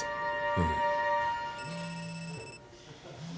うん。